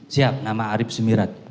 siap nama arief sumirat